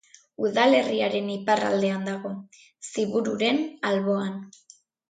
Udalerriaren iparraldean dago, Zibururen alboan.